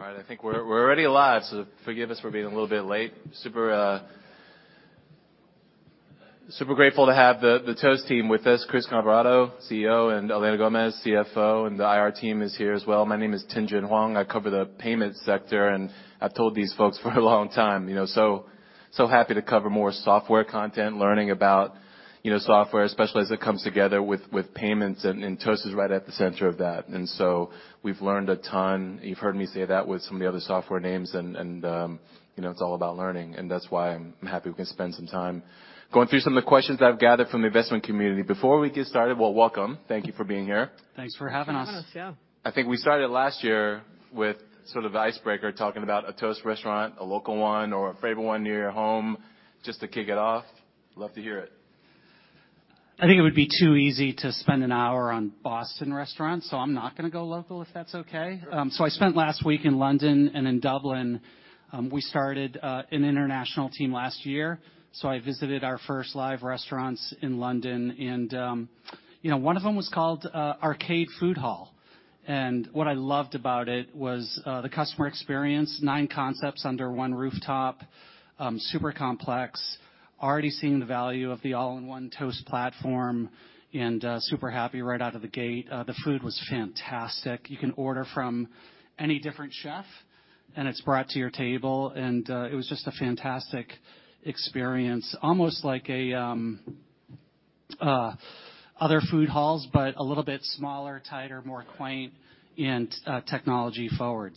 All right, I think we're already live, forgive us for being a little bit late. Super grateful to have the Toast team with us, Chris Comparato, CEO, Elena Gomez, CFO, the IR team is here as well. My name is Tien-Tsin Huang. I cover the payment sector, I've told these folks for a long time, you know, so happy to cover more software content, learning about, you know, software, especially as it comes together with payments, and Toast is right at the center of that. We've learned a ton. You've heard me say that with some of the other software names and, you know, it's all about learning, that's why I'm happy we can spend some time going through some of the questions I've gathered from the investment community. Before we get started... Well, welcome. Thank you for being here. Thanks for having us. Thanks for having us. Yeah. I think we started last year with sort of icebreaker, talking about a Toast restaurant, a local one or a favorite one near your home just to kick it off. Love to hear it. I think it would be too easy to spend an hour on Boston restaurants, so I'm not gonna go local, if that's okay. I spent last week in London and in Dublin. We started an international team last year, so I visited our first live restaurants in London and, you know, one of them was called Arcade Food Hall. What I loved about it was the customer experience, 9 concepts under 1 rooftop, super complex. Already seeing the value of the all-in-one Toast platform, and super happy right out of the gate. The food was fantastic. You can order from any different chef, and it's brought to your table, and it was just a fantastic experience. Almost like other food halls, but a little bit smaller, tighter, more quaint and technology forward.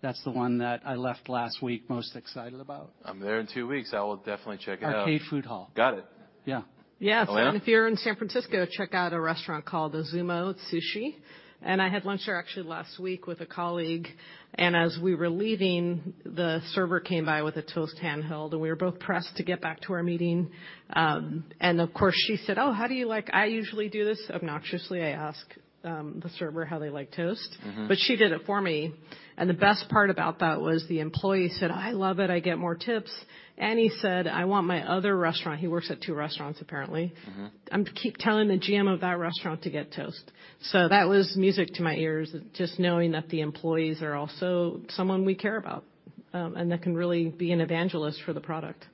That's the one that I left last week most excited about. I'm there in two weeks. I will definitely check it out. Arcade Food Hall. Got it. Yeah. Elena? Yes. If you're in San Francisco, check out a restaurant called Ozumo Sushi. I had lunch there actually last week with a colleague, and as we were leaving, the server came by with a Toast handheld, and we were both pressed to get back to our meeting. Of course, she said, "Oh, how do you like..." I usually do this obnoxiously. I ask the server how they like Toast. Mm-hmm. She did it for me, and the best part about that was the employee said, "I love it. I get more tips." He said, "I want my other restaurant." He works at 2 restaurants, apparently. Mm-hmm. I'm keep telling the GM of that restaurant to get Toast." That was music to my ears, just knowing that the employees are also someone we care about, and that can really be an evangelist for the product.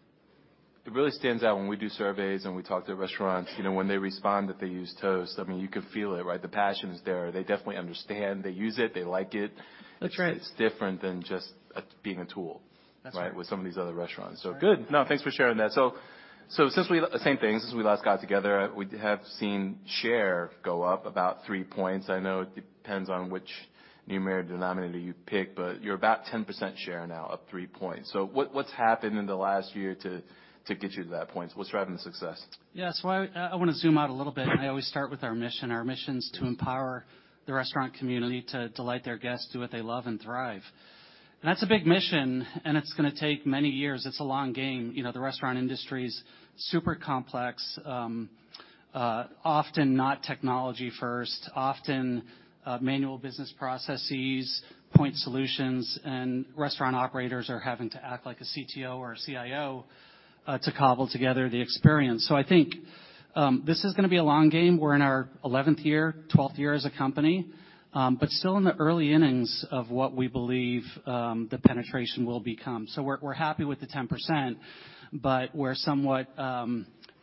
It really stands out when we do surveys, and we talk to restaurants, you know, when they respond that they use Toast, I mean, you can feel it, right? The passion is there. They definitely understand. They use it. They like it. That's right. It's different than just, being a tool-. That's right. -with some of these other restaurants. Good. No, thanks for sharing that. Since we last got together, we have seen share go up about 3 points. I know it depends on which numeric denominator you pick, but you're about 10% share now, up 3 points. What's happened in the last year to get you to that point? What's driving the success? Yeah. I wanna zoom out a little bit, and I always start with our mission. Our mission is to empower the restaurant community to delight their guests, do what they love, and thrive. That's a big mission, and it's gonna take many years. It's a long game. You know, the restaurant industry is super complex, often not technology first, often manual business processes, point solutions, and restaurant operators are having to act like a CTO or a CIO to cobble together the experience. I think this is gonna be a long game. We're in our 11th year, 12th year as a company, still in the early innings of what we believe the penetration will become. We're happy with the 10%, but we're somewhat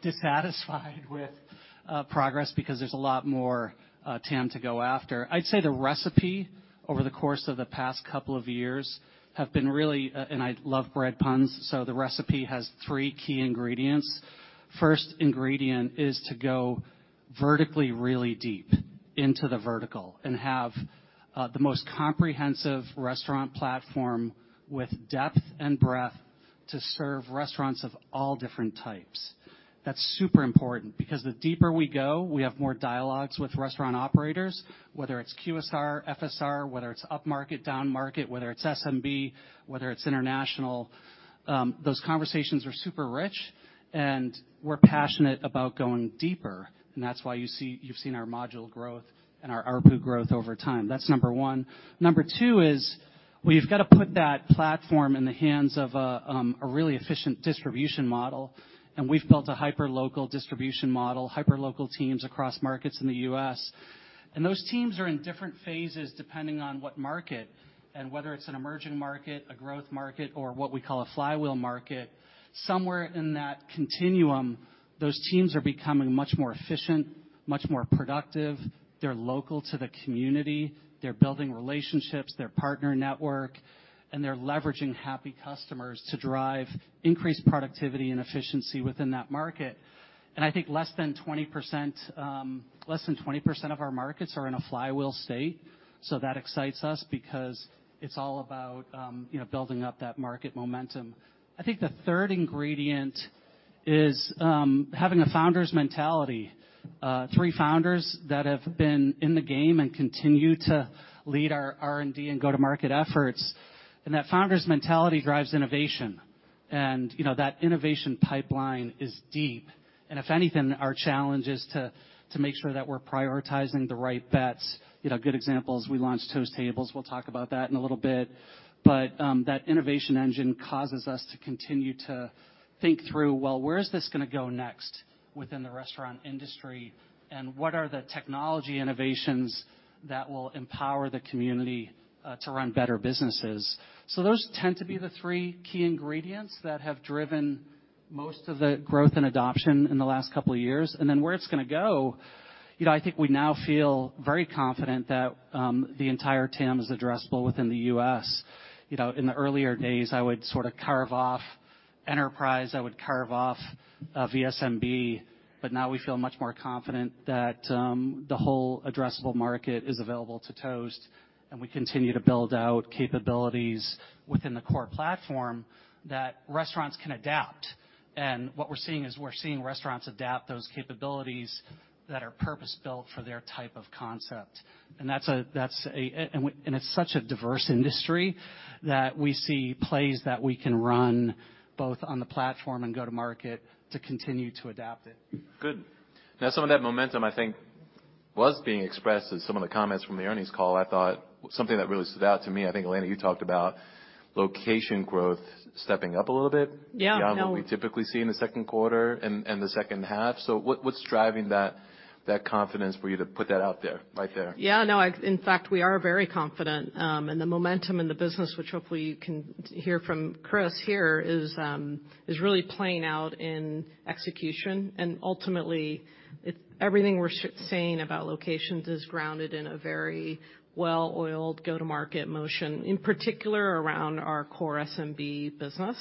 dissatisfied with progress because there's a lot more TAM to go after. I'd say the recipe over the course of the past couple of years have been really. I love bread puns. The recipe has 3 key ingredients. First ingredient is to go vertically really deep into the vertical and have the most comprehensive restaurant platform with depth and breadth to serve restaurants of all different types. That's super important because the deeper we go, we have more dialogues with restaurant operators, whether it's QSR, FSR, whether it's upmarket, downmarket, whether it's SMB, whether it's international, those conversations are super rich, and we're passionate about going deeper. That's why you've seen our module growth and our ARPU growth over time. That's number 1. Number two is, we've got to put that platform in the hands of a really efficient distribution model. We've built a hyper-local distribution model, hyper-local teams across markets in the U.S. Those teams are in different phases depending on what market and whether it's an emerging market, a growth market, or what we call a flywheel market. Somewhere in that continuum, those teams are becoming much more efficient, much more productive. They're local to the community. They're building relationships. They're partner network. They're leveraging happy customers to drive increased productivity and efficiency within that market. I think less than 20%, less than 20% of our markets are in a flywheel state. That excites us because it's all about, you know, building up that market momentum. I think the third ingredient is having a founder's mentality. Three founders that have been in the game and continue to lead our R&D and go-to-market efforts, that founder's mentality drives innovation. You know, that innovation pipeline is deep. If anything, our challenge is to make sure that we're prioritizing the right bets. You know, good example is we launched Toast Tables. We'll talk about that in a little bit. That innovation engine causes us to continue to think through, well, where is this gonna go next within the restaurant industry, and what are the technology innovations that will empower the community to run better businesses? Those tend to be the three key ingredients that have driven most of the growth and adoption in the last couple of years. Where it's gonna go, you know, I think we now feel very confident that the entire TAM is addressable within the U.S. You know, in the earlier days, I would sort of carve off enterprise, I would carve off VSMB, but now we feel much more confident that the whole addressable market is available to Toast. We continue to build out capabilities within the core platform that restaurants can adapt. What we're seeing is we're seeing restaurants adapt those capabilities that are purpose-built for their type of concept. That's a... It's such a diverse industry that we see plays that we can run both on the platform and go to market to continue to adapt it. Good. Now, some of that momentum, I think, was being expressed in some of the comments from the earnings call, I thought. Something that really stood out to me, I think, Elena, you talked about location growth stepping up a little bit- Yeah. Beyond what we typically see in the second quarter and the second half. What's driving that confidence for you to put that out there, right there? Yeah, no, I in fact, we are very confident, and the momentum in the business, which hopefully you can hear from Chris here, is really playing out in execution. Ultimately, everything we're saying about locations is grounded in a very well-oiled go-to-market motion, in particular, around our core SMB business.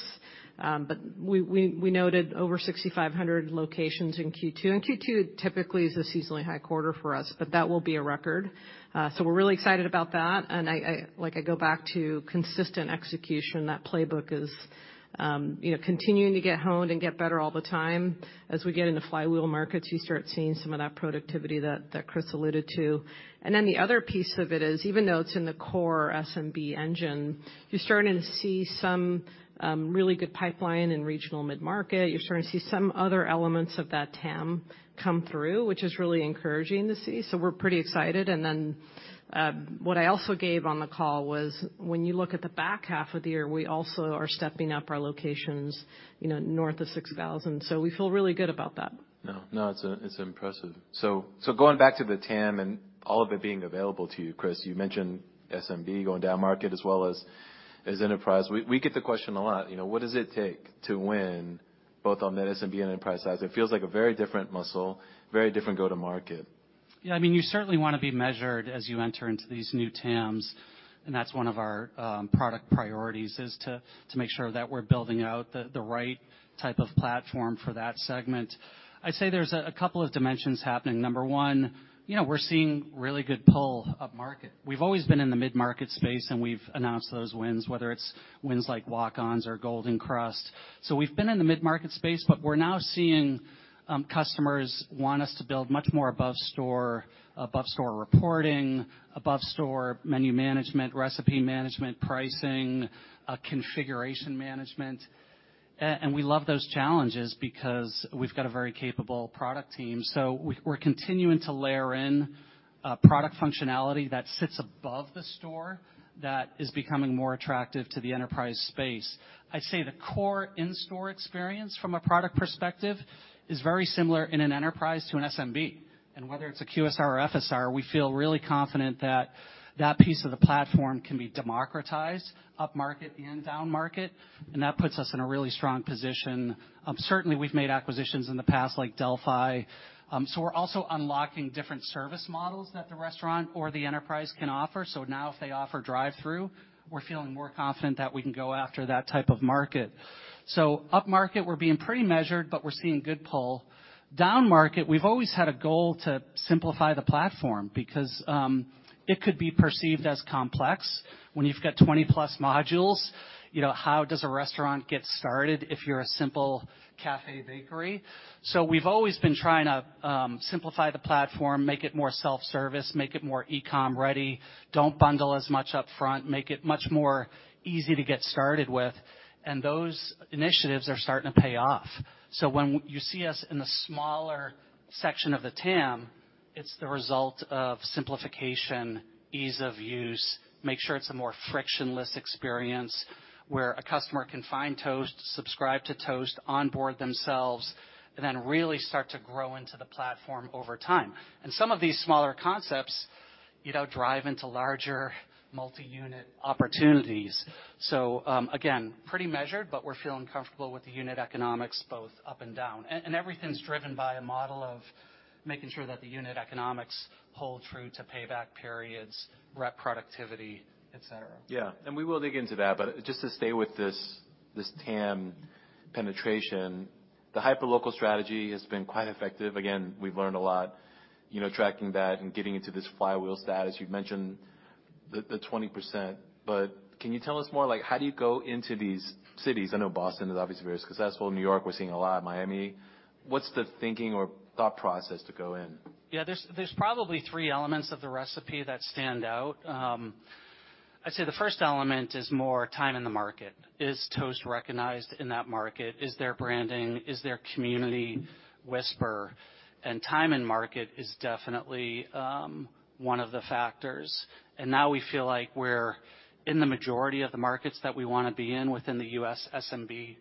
We noted over 6,500 locations in Q2, and Q2 typically is a seasonally high quarter for us, but that will be a record. We're really excited about that. I like I go back to consistent execution. That playbook is, you know, continuing to get honed and get better all the time. As we get into flywheel markets, you start seeing some of that productivity that Chris alluded to. The other piece of it is, even though it's in the core SMB engine, you're starting to see some really good pipeline in regional mid-market. You're starting to see some other elements of that TAM come through, which is really encouraging to see. We're pretty excited. What I also gave on the call was when you look at the back half of the year, we also are stepping up our locations, you know, north of 6,000. We feel really good about that. No, no, it's impressive. Going back to the TAM and all of it being available to you, Chris, you mentioned SMB going down market as well as enterprise. We get the question a lot, you know. What does it take to win both on that SMB and enterprise side? It feels like a very different muscle, very different go to market. Yeah. I mean, you certainly wanna be measured as you enter into these new TAMs. That's one of our product priorities is to make sure that we're building out the right type of platform for that segment. I'd say there's a couple of dimensions happening. Number one, you know, we're seeing really good pull up market. We've always been in the mid-market space, and we've announced those wins, whether it's wins like Walk-On's or Golden Krust. We've been in the mid-market space, but we're now seeing customers want us to build much more above store reporting, above store menu management, recipe management, pricing, configuration management. We love those challenges because we've got a very capable product team. We're continuing to layer in product functionality that sits above the store that is becoming more attractive to the enterprise space. I'd say the core in-store experience from a product perspective is very similar in an enterprise to an SMB. Whether it's a QSR or FSR, we feel really confident that that piece of the platform can be democratized up market and down market, and that puts us in a really strong position. Certainly, we've made acquisitions in the past like Delphi. We're also unlocking different service models that the restaurant or the enterprise can offer. Now if they offer drive through, we're feeling more confident that we can go after that type of market. Up market, we're being pretty measured, but we're seeing good pull. Down market, we've always had a goal to simplify the platform because it could be perceived as complex when you've got 20-plus modules. You know, how does a restaurant get started if you're a simple cafe bakery? We've always been trying to simplify the platform, make it more self-service, make it more e-com ready, don't bundle as much upfront, make it much more easy to get started with. Those initiatives are starting to pay off. When you see us in the smaller section of the TAM, it's the result of simplification, ease of use, make sure it's a more frictionless experience, where a customer can find Toast, subscribe to Toast, onboard themselves, and then really start to grow into the platform over time. Some of these smaller concepts, you know, drive into larger multi-unit opportunities. Again, pretty measured, but we're feeling comfortable with the unit economics both up and down. And everything's driven by a model of making sure that the unit economics hold true to payback periods, rep productivity, et cetera. Yeah. We will dig into that. Just to stay with this TAM penetration, the hyperlocal strategy has been quite effective. Again, we've learned a lot, you know, tracking that and getting into this flywheel status. You've mentioned the 20%. Can you tell us more, like, how do you go into these cities? I know Boston is obviously very successful. New York, we're seeing a lot. Miami. What's the thinking or thought process to go in? Yeah. There's probably three elements of the recipe that stand out. I'd say the first element is more time in the market. Is Toast recognized in that market? Is there branding? Is there community whisper? Time in market is definitely one of the factors. Now we feel like we're in the majority of the markets that we wanna be in within the U.S. SMB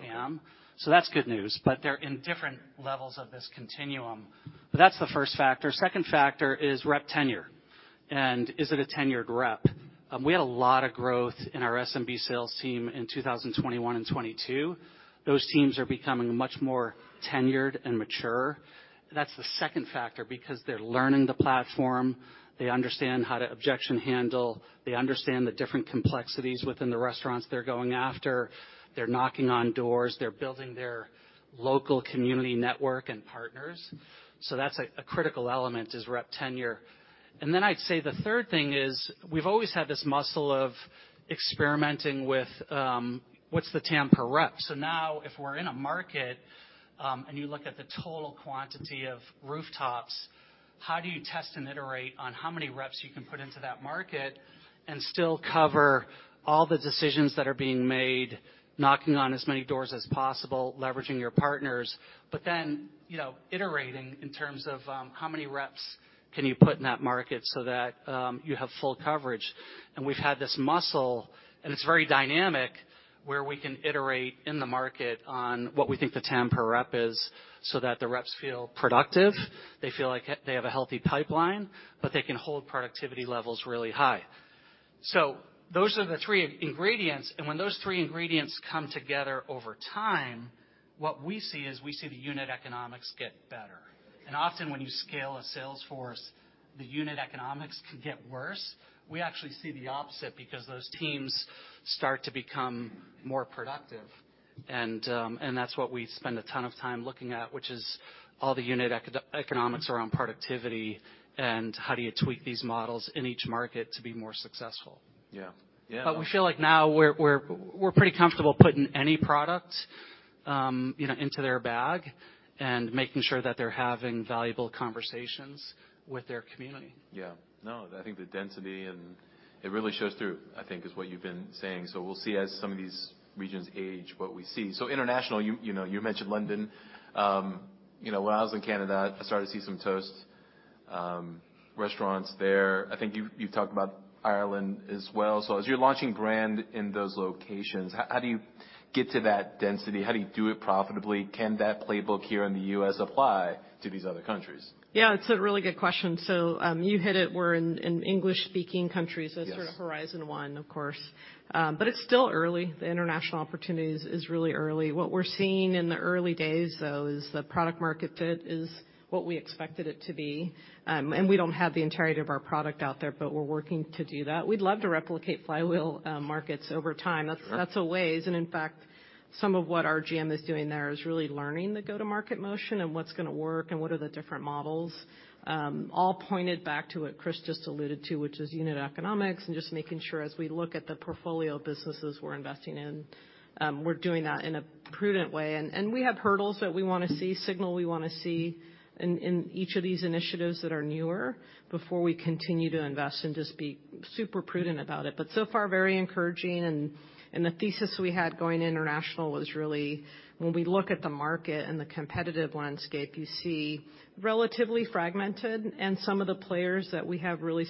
TAM. That's good news. They're in different levels of this continuum. That's the first factor. Second factor is rep tenure, and is it a tenured rep? We had a lot of growth in our SMB sales team in 2021 and 2022. Those teams are becoming much more tenured and mature. That's the second factor because they're learning the platform, they understand how to objection handle, they understand the different complexities within the restaurants they're going after. They're knocking on doors. They're building their local community network and partners. That's a critical element is rep tenure. Then I'd say the third thing is we've always had this muscle of experimenting with what's the TAM per rep. Now, if we're in a market, and you look at the total quantity of rooftops, how do you test and iterate on how many reps you can put into that market and still cover all the decisions that are being made, knocking on as many doors as possible, leveraging your partners, you know, iterating in terms of how many reps can you put in that market so that you have full coverage? We've had this muscle, and it's very dynamic, where we can iterate in the market on what we think the TAM per rep is so that the reps feel productive, they feel like they have a healthy pipeline, but they can hold productivity levels really high. Those are the three ingredients. When those three ingredients come together over time, what we see is we see the unit economics get better. Often when you scale a sales force, the unit economics can get worse. We actually see the opposite because those teams start to become more productive. That's what we spend a ton of time looking at, which is all the unit economics around productivity and how do you tweak these models in each market to be more successful. Yeah. Yeah. We feel like now we're pretty comfortable putting any product, you know, into their bag and making sure that they're having valuable conversations with their community. Yeah. No, I think the density, and it really shows through, I think, is what you've been saying. We'll see as some of these regions age, what we see. International, you know, you mentioned London. You know, when I was in Canada, I started to see some Toast restaurants there. I think you've talked about Ireland as well. As you're launching brand in those locations, how do you get to that density? How do you do it profitably? Can that playbook here in the U.S. apply to these other countries? Yeah, it's a really good question. You hit it. We're in English-speaking countries. Yes. as sort of horizon one, of course. It's still early. The international opportunities is really early. What we're seeing in the early days, though, is the product market fit is what we expected it to be. We don't have the entirety of our product out there, but we're working to do that. We'd love to replicate flywheel markets over time. Sure. That's a way. In fact, some of what our GM is doing there is really learning the go-to-market motion and what's gonna work and what are the different models, all pointed back to what Chris just alluded to, which is unit economics and just making sure as we look at the portfolio of businesses we're investing in, we're doing that in a prudent way. We have hurdles that we wanna see, signal we wanna see in each of these initiatives that are newer before we continue to invest and just be super prudent about it. So far, very encouraging and the thesis we had going international was really when we look at the market and the competitive landscape, you see relatively fragmented, and some of the players that we have really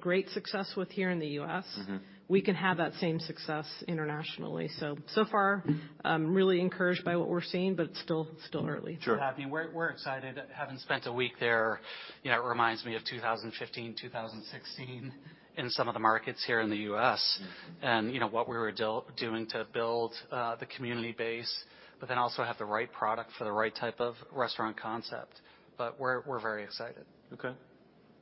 great success with here in the U.S. Mm-hmm. We can have that same success internationally. So far, really encouraged by what we're seeing, but still early. Sure. Yeah, I mean, we're excited. Having spent a week there, you know, it reminds me of 2015, 2016 in some of the markets here in the U.S. Mm-hmm. you know, what we were doing to build the community base, but then also have the right product for the right type of restaurant concept. We're very excited. Okay.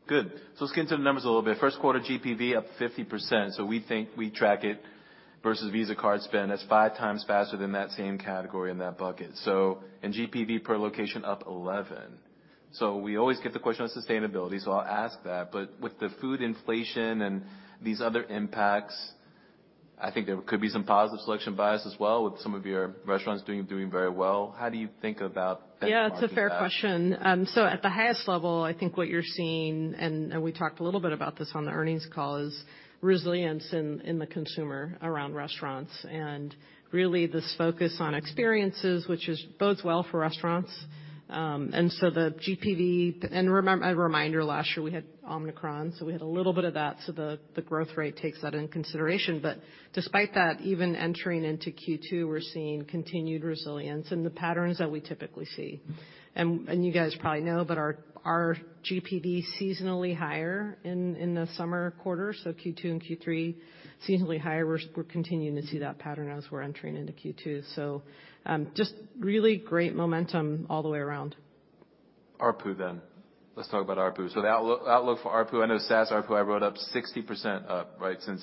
Good. Let's get into the numbers a little bit. First quarter GPV up 50%. We think we track it versus Visa card spend. That's 5 times faster than that same category in that bucket. GPV per location up 11. We always get the question on sustainability, so I'll ask that. With the food inflation and these other impacts, I think there could be some positive selection bias as well with some of your restaurants doing very well. How do you think about benchmarking that? Yeah, it's a fair question. At the highest level, I think what you're seeing, and we talked a little bit about this on the earnings call, is resilience in the consumer around restaurants, and really this focus on experiences, which is bodes well for restaurants. The GPV. A reminder, last year we had Omicron, so we had a little bit of that, so the growth rate takes that into consideration. Despite that, even entering into Q2, we're seeing continued resilience in the patterns that we typically see. You guys probably know, but our GPV's seasonally higher in the summer quarter, so Q2 and Q3, seasonally higher. We're continuing to see that pattern as we're entering into Q2. Just really great momentum all the way around. ARPU. Let's talk about ARPU. The outlook for ARPU, I know SaaS ARPU I wrote up 60% up, right, since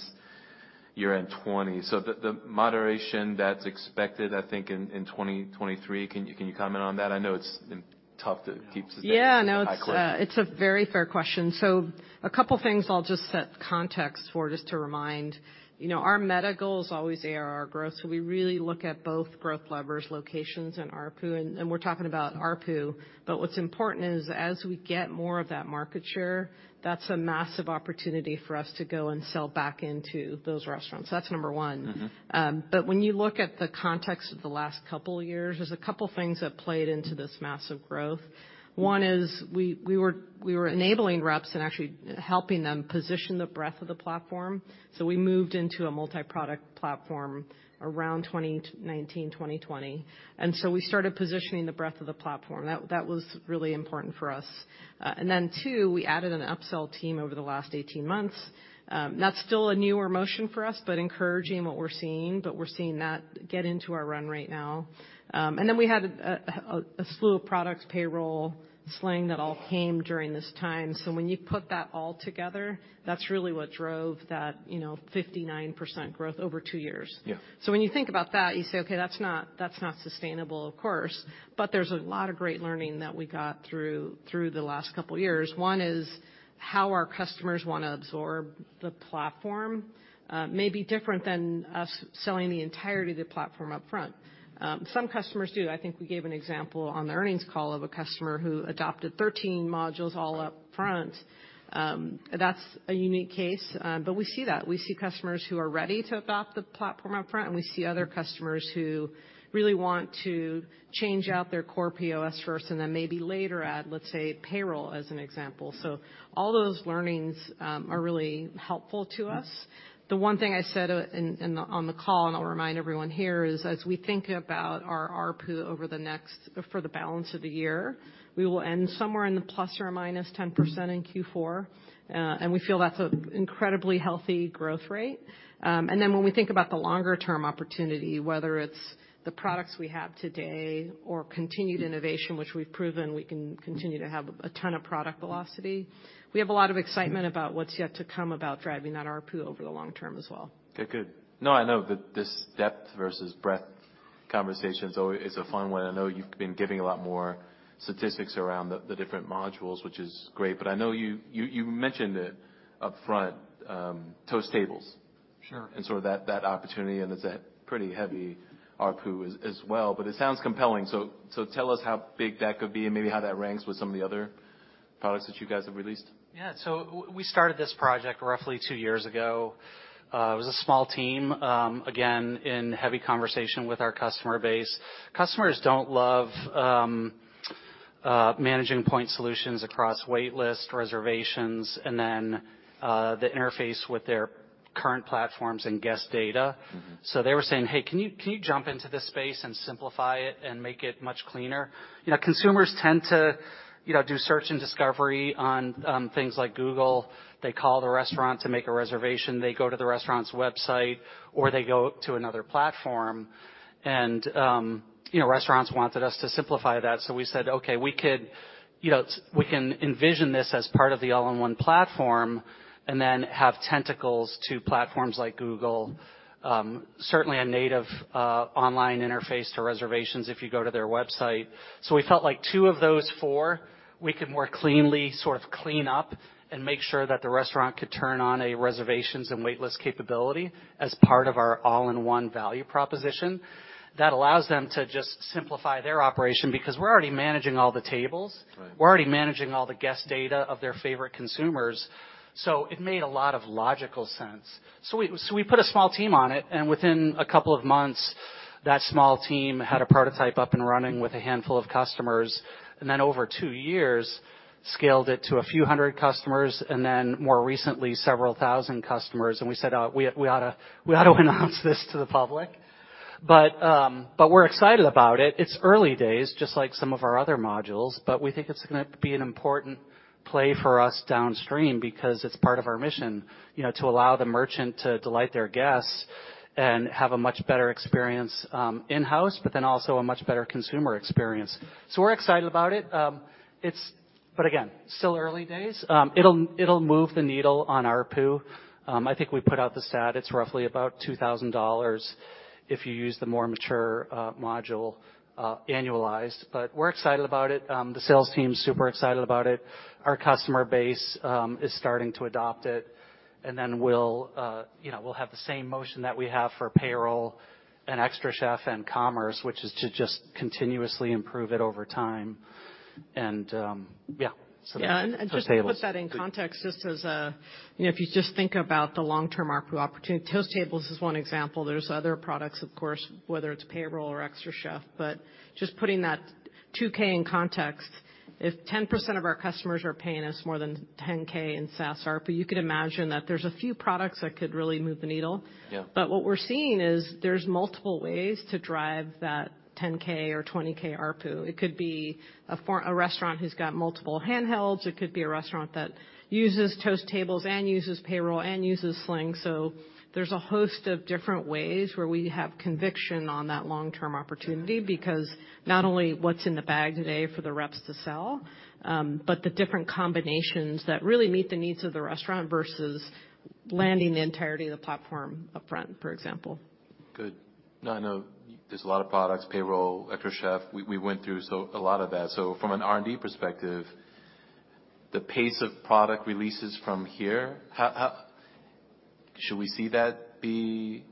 year-end 2020. The moderation that's expected, I think, in 2020-2023, can you comment on that? I know it's. Yeah. No. the high growth. It's, it's a very fair question. A couple things I'll just set context for, just to remind. You know, our meta goal is always ARR growth, we really look at both growth levers, locations and ARPU. We're talking about ARPU, but what's important is as we get more of that market share, that's a massive opportunity for us to go and sell back into those restaurants. That's number one. Mm-hmm. When you look at the context of the last couple years, there's a couple things that played into this massive growth. One is we were enabling reps and actually helping them position the breadth of the platform. We moved into a multi-product platform around 2019, 2020. We started positioning the breadth of the platform. That was really important for us. Then two, we added an upsell team over the last 18 months. That's still a newer motion for us, but encouraging what we're seeing. We're seeing that get into our run rate now. Then we had a slew of products, Payroll, Sling, that all came during this time. When you put that all together, that's really what drove that, you know, 59% growth over 2 years. Yeah. When you think about that, you say, "Okay, that's not sustainable," of course. There's a lot of great learning that we got through the last couple years. One is how our customers wanna absorb the platform, may be different than us selling the entirety of the platform up front. Some customers do. I think we gave an example on the earnings call of a customer who adopted 13 modules all up front. That's a unique case, but we see that. We see customers who are ready to adopt the platform up front, and we see other customers who really want to change out their core POS first and then maybe later add, let's say, payroll as an example. All those learnings are really helpful to us. The one thing I said in the... on the call, I'll remind everyone here, is as we think about our ARPU for the balance of the year, we will end somewhere in the ±10% in Q4. We feel that's an incredibly healthy growth rate. When we think about the longer term opportunity, whether it's the products we have today or continued innovation, which we've proven we can continue to have a ton of product velocity, we have a lot of excitement about what's yet to come about driving that ARPU over the long term as well. Okay, good. No, I know that this depth versus breadth conversation's always is a fun one. I know you've been giving a lot more statistics around the different modules, which is great. I know you mentioned it up front, Toast Tables. Sure. Sort of that opportunity, and it's a pretty heavy ARPU as well, but it sounds compelling. Tell us how big that could be and maybe how that ranks with some of the other products that you guys have released? We started this project roughly 2 years ago. It was a small team, again, in heavy conversation with our customer base. Customers don't love managing point solutions across waitlist, reservations, and then the interface with their current platforms and guest data. Mm-hmm. They were saying, "Hey, can you jump into this space and simplify it and make it much cleaner?" You know, consumers tend to, you know, do search and discovery on things like Google. They call the restaurant to make a reservation. They go to the restaurant's website, or they go to another platform. You know, restaurants wanted us to simplify that, so we said, "Okay, we could... You know, we can envision this as part of the all-in-one platform, and then have tentacles to platforms like Google. Certainly a native online interface to reservations if you go to their website." We felt like two of those four, we could more cleanly sort of clean up and make sure that the restaurant could turn on a reservations and wait list capability as part of our all-in-one value proposition. That allows them to just simplify their operation, because we're already managing all the tables. Right. We're already managing all the guest data of their favorite consumers. It made a lot of logical sense. We put a small team on it, and within 2 months, that small team had a prototype up and running with a handful of customers. Over 2 years, scaled it to a few hundred customers, and then more recently, several thousand customers. We said, "We ought to announce this to the public." We're excited about it. It's early days, just like some of our other modules, but we think it's gonna be an important play for us downstream because it's part of our mission, you know, to allow the merchant to delight their guests and have a much better experience in-house, but then also a much better consumer experience. We're excited about it. Again, still early days. It'll move the needle on ARPU. I think we put out the stat. It's roughly about $2,000 if you use the more mature module annualized. We're excited about it. The sales team's super excited about it. Our customer base is starting to adopt it. We'll, you know, we'll have the same motion that we have for payroll and xtraCHEF and Commerce, which is to just continuously improve it over time. Yeah. Yeah. Toast Tables. Just to put that in context, you know, if you just think about the long-term ARPU opportunity, Toast Tables is one example. There's other products, of course, whether it's Payroll or xtraCHEF, but just putting that $2K in context, if 10% of our customers are paying us more than $10K in SaaS ARPU, you could imagine that there's a few products that could really move the needle. Yeah. What we're seeing is there's multiple ways to drive that 10K or 20K ARPU. It could be a restaurant who's got multiple handhelds. It could be a restaurant that uses Toast Tables and uses Payroll and uses Sling. There's a host of different ways where we have conviction on that long-term opportunity because not only what's in the bag today for the reps to sell, but the different combinations that really meet the needs of the restaurant versus landing the entirety of the platform upfront, for example. Good. Now I know there's a lot of products, Payroll, xtraCHEF. We went through a lot of that. From an R&D perspective, the pace of product releases from here, how should we see that be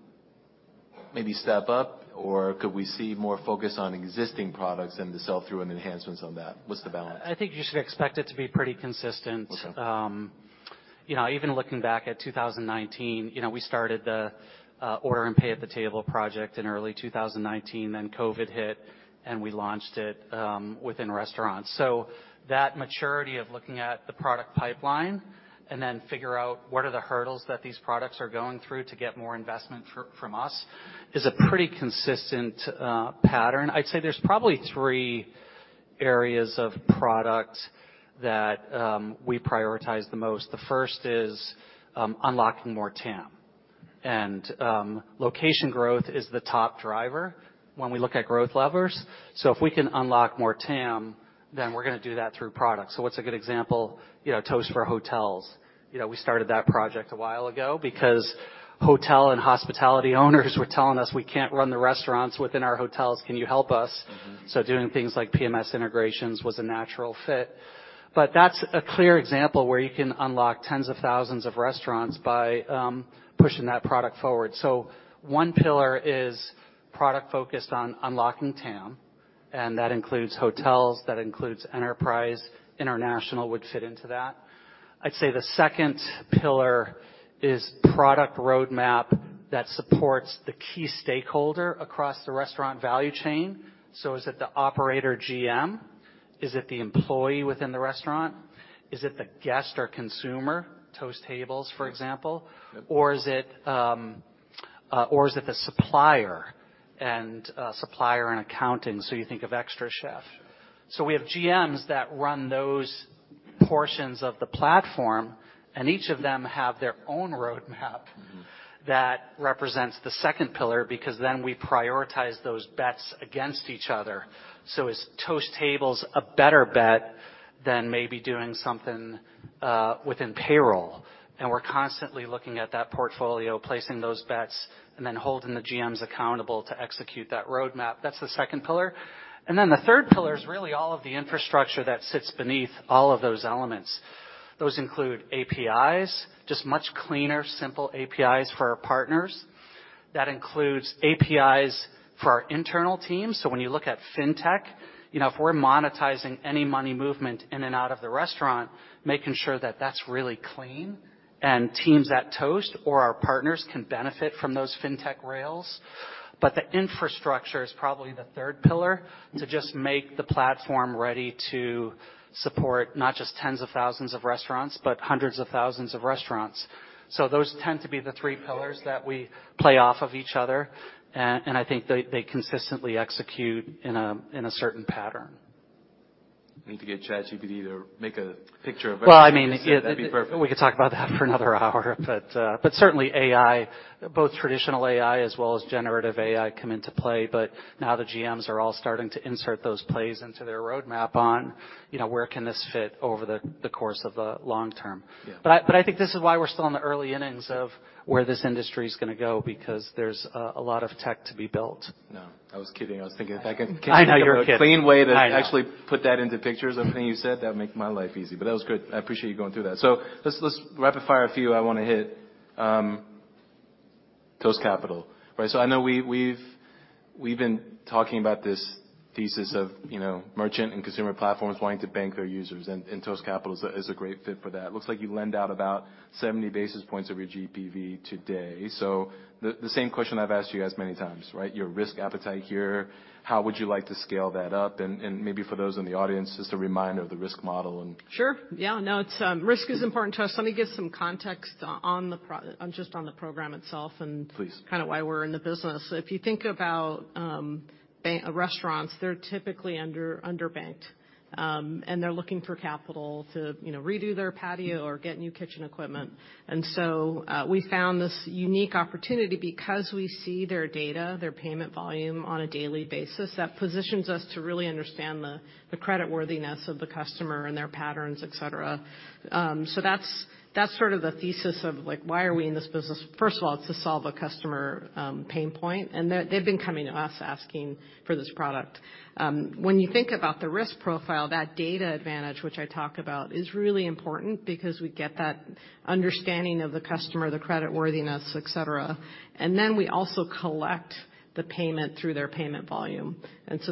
maybe step up, or could we see more focus on existing products and the sell-through and enhancements on that? What's the balance? I think you should expect it to be pretty consistent. Okay. You know, even looking back at 2019, you know, we started the order and pay at the table project in early 2019, then COVID hit, and we launched it within restaurants. That maturity of looking at the product pipeline and then figure out what are the hurdles that these products are going through to get more investment from us is a pretty consistent pattern. I'd say there's probably three areas of product that we prioritize the most. The first is unlocking more TAM. Location growth is the top driver when we look at growth levers. If we can unlock more TAM, then we're gonna do that through products. What's a good example? You know, Toast for Hotels. You know, we started that project a while ago because hotel and hospitality owners were telling us, "We can't run the restaurants within our hotels. Can you help us? Mm-hmm. Doing things like PMS integrations was a natural fit. That's a clear example where you can unlock tens of thousands of restaurants by pushing that product forward. One pillar is product-focused on unlocking TAM, and that includes hotels, that includes enterprise. International would fit into that. I'd say the second pillar is product roadmap that supports the key stakeholder across the restaurant value chain. Is it the operator GM? Is it the employee within the restaurant? Is it the guest or consumer? Toast Tables, for example. Yep. Is it, or is it the supplier and accounting, so you think of xtraCHEF? We have GMs that run those portions of the platform, and each of them have their own roadmap. Mm-hmm. That represents the second pillar, because then we prioritize those bets against each other. Is Toast Tables a better bet than maybe doing something within payroll? We're constantly looking at that portfolio, placing those bets, and then holding the GMs accountable to execute that roadmap. That's the second pillar. The third pillar is really all of the infrastructure that sits beneath all of those elements. Those include APIs, just much cleaner, simple APIs for our partners. That includes APIs for our internal teams. When you look at Fintech, you know, if we're monetizing any money movement in and out of the restaurant, making sure that that's really clean, and teams at Toast or our partners can benefit from those Fintech rails. The infrastructure is probably the third pillar, to just make the platform ready to support not just tens of thousands of restaurants, but hundreds of thousands of restaurants. Those tend to be the three pillars that we play off of each other. I think they consistently execute in a certain pattern. Need to get ChatGPT, she could either make a picture of it. Well, I mean, yeah. That'd be perfect. We could talk about that for another hour. Certainly AI, both traditional AI as well as Generative AI come into play. Now the GMs are all starting to insert those plays into their roadmap on, you know, where can this fit over the course of the long term. Yeah. I think this is why we're still in the early innings of where this industry's gonna go, because there's a lot of tech to be built. No, I was kidding. I was thinking. I know you were kidding. -come up with a clean way to actually put that into pictures, everything you said, that would make my life easy. That was good. I appreciate you going through that. Let's, let's rapid fire a few. I wanna hit Toast Capital, right? I know we've been talking about this thesis of, you know, merchant and consumer platforms wanting to bank their users, and Toast Capital is a great fit for that. Looks like you lend out about 70 basis points of your GPV today. The same question I've asked you guys many times, right? Your risk appetite here, how would you like to scale that up? And maybe for those in the audience, just a reminder of the risk model and- Sure. Yeah. No, it's. Risk is important to us. Let me give some context on just on the program itself. Please. kind of why we're in the business. If you think about, restaurants, they're typically under-banked, and they're looking for capital to, you know, redo their patio or get new kitchen equipment. We found this unique opportunity because we see their data, their payment volume on a daily basis, that positions us to really understand the creditworthiness of the customer and their patterns, et cetera. So that's sort of the thesis of, like, why are we in this business? First of all, it's to solve a customer pain point, and they've been coming to us asking for this product. When you think about the risk profile, that data advantage, which I talk about, is really important because we get that understanding of the customer, the creditworthiness, et cetera. We also collect the payment through their payment volume.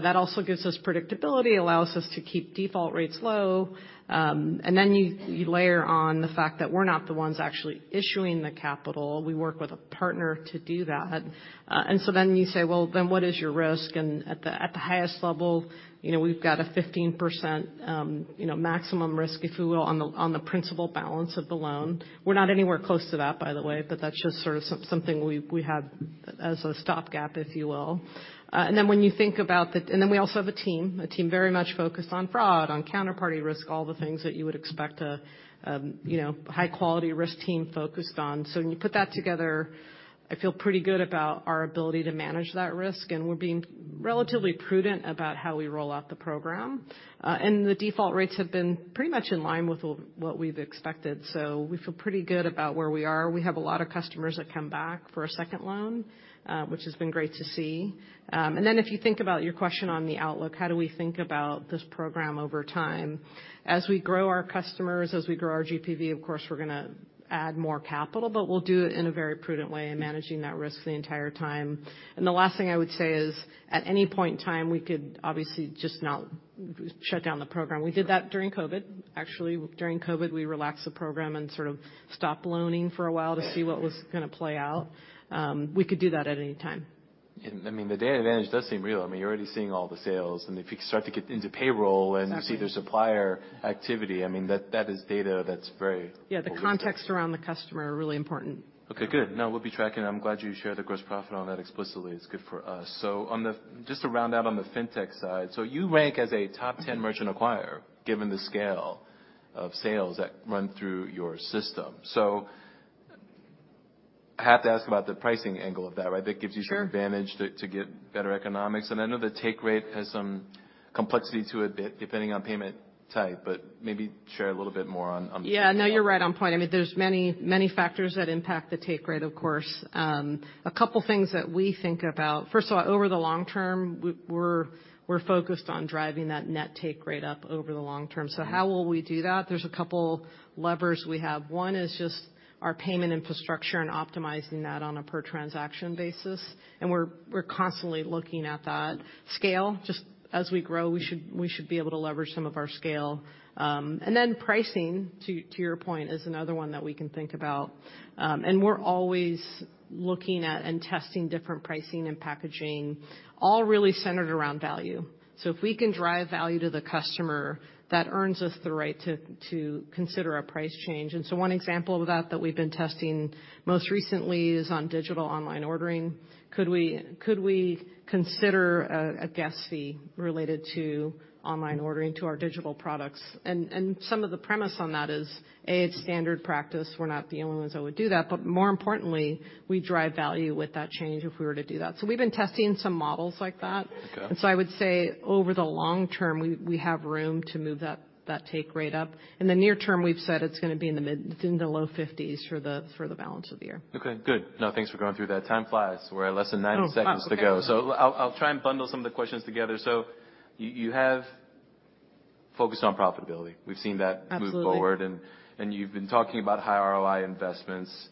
That also gives us predictability, allows us to keep default rates low. You, you layer on the fact that we're not the ones actually issuing the capital. We work with a partner to do that. Then you say, "Well, then what is your risk?" At the, at the highest level, you know, we've got a 15%, you know, maximum risk, if you will, on the, on the principal balance of the loan. We're not anywhere close to that, by the way, but that's just sort of something we had as a stopgap, if you will. When you think about the... We also have a team very much focused on fraud, on counterparty risk, all the things that you would expect a, you know, high quality risk team focused on. When you put that together, I feel pretty good about our ability to manage that risk, and we're being relatively prudent about how we roll out the program. The default rates have been pretty much in line with what we've expected. We feel pretty good about where we are. We have a lot of customers that come back for a second loan, which has been great to see. If you think about your question on the outlook, how do we think about this program over time? As we grow our customers, as we grow our GPV, of course we're gonna add more capital, but we'll do it in a very prudent way and managing that risk the entire time. The last thing I would say is, at any point in time, we could obviously just shut down the program. We did that during COVID. Actually, during COVID, we relaxed the program and sort of stopped loaning for a while to see what was gonna play out. We could do that at any time. I mean, the data advantage does seem real. I mean, you're already seeing all the sales, and if you start to get into payroll- Exactly. You see their supplier activity, I mean, that is data that's very. Yeah, the context around the customer are really important. Good. No, we'll be tracking. I'm glad you shared the gross profit on that explicitly. It's good for us. Just to round out on the Fintech side, you rank as a top 10 merchant acquirer, given the scale of sales that run through your system. I have to ask about the pricing angle of that, right? Sure. That gives you some advantage to get better economics. I know the take rate has some complexity to it depending on payment type, but maybe share a little bit more on. Yeah. No, you're right on point. I mean, there's many, many factors that impact the take rate, of course. A couple things that we think about. First of all, over the long term, we're focused on driving that net take rate up over the long term. Mm-hmm. How will we do that? There's a couple levers we have. One is just our payment infrastructure and optimizing that on a per transaction basis, and we're constantly looking at that. Scale, just as we grow, we should be able to leverage some of our scale. Then pricing, to your point, is another one that we can think about. And we're always looking at and testing different pricing and packaging, all really centered around value. If we can drive value to the customer, that earns us the right to consider a price change. One example of that that we've been testing most recently is on digital online ordering. Could we consider a guest fee related to online ordering to our digital products? Some of the premise on that is, A, it's standard practice. We're not the only ones that would do that. More importantly, we drive value with that change if we were to do that. We've been testing some models like that. Okay. I would say over the long term, we have room to move that take rate up. In the near term, we've said it's in the low 50s for the balance of the year. Okay, good. Thanks for going through that. Time flies. We're at less than nine seconds to go. Oh, okay. I'll try and bundle some of the questions together. You have focused on profitability. We've seen that move forward. Absolutely. You've been talking about high ROI investments.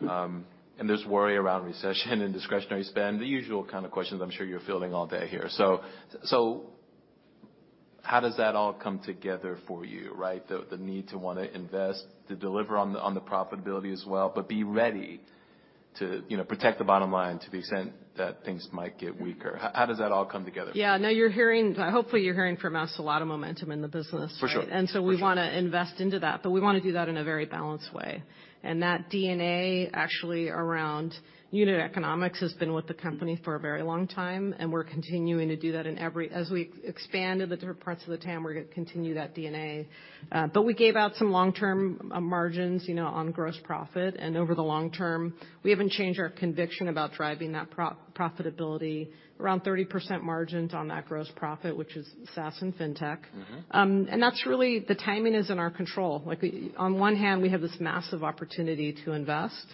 There's worry around recession and discretionary spend, the usual kind of questions I'm sure you're fielding all day here. How does that all come together for you, right? The need to wanna invest, to deliver on the profitability as well, but be ready to, you know, protect the bottom line to the extent that things might get weaker. How does that all come together? Hopefully you're hearing from us a lot of momentum in the business, right? For sure. We wanna invest into that, but we wanna do that in a very balanced way. That DNA actually around unit economics has been with the company for a very long time, and we're continuing to do that as we expand into different parts of the TAM, we're gonna continue that DNA. We gave out some long-term margins, you know, on gross profit. Over the long term, we haven't changed our conviction about driving that pro-profitability. Around 30% margins on that gross profit, which is SaaS and Fintech. Mm-hmm. That's really the timing is in our control. Like on one hand, we have this massive opportunity to invest,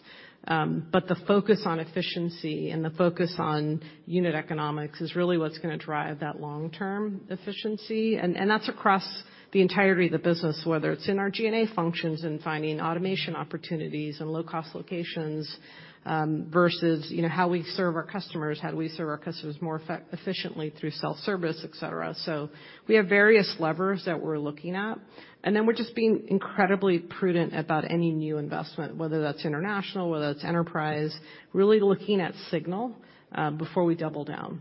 but the focus on efficiency and the focus on unit economics is really what's gonna drive that long-term efficiency. That's across the entirety of the business, whether it's in our G&A functions and finding automation opportunities and low-cost locations, versus, you know, how we serve our customers, how do we serve our customers more efficiently through self-service, et cetera. We have various levers that we're looking at, and then we're just being incredibly prudent about any new investment, whether that's international, whether that's enterprise, really looking at signal before we double down.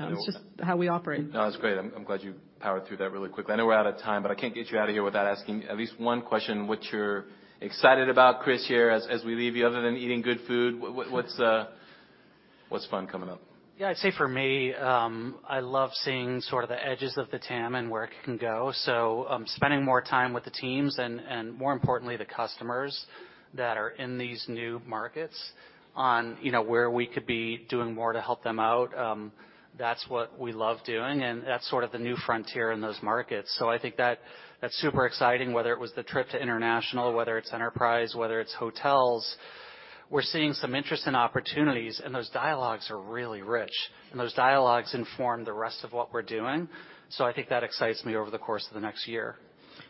Great. It's just how we operate. No, that's great. I'm glad you powered through that really quickly. I know we're out of time. I can't get you out of here without asking at least one question: what you're excited about, Chris, here as we leave you, other than eating good food, what's fun coming up? Yeah, I'd say for me, I love seeing sort of the edges of the TAM and where it can go. Spending more time with the teams and more importantly, the customers that are in these new markets on, you know, where we could be doing more to help them out, that's what we love doing, and that's sort of the new frontier in those markets. I think that's super exciting, whether it was the trip to international, whether it's enterprise, whether it's hotels. We're seeing some interest in opportunities, and those dialogues are really rich, and those dialogues inform the rest of what we're doing. I think that excites me over the course of the next year.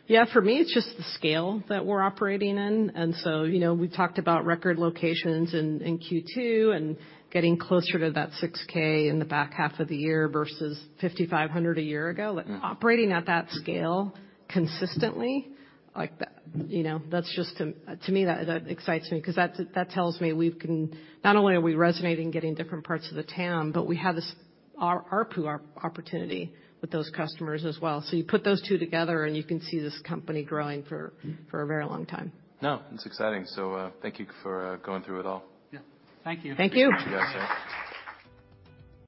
Yeah, for me, it's just the scale that we're operating in. you know, we've talked about record locations in Q2 and getting closer to that 6K in the back half of the year versus 5,500 a year ago. Like operating at that scale consistently like that, you know, that's just to me that excites me 'cause that tells me Not only are we resonating getting different parts of the TAM, but we have this our ARPU opportunity with those customers as well. you put those two together, and you can see this company growing for a very long time. No, that's exciting. Thank you for going through it all. Yeah. Thank you. Thank you. Thank you guys.